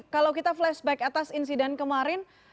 kalau kita flashback atas insiden kemarin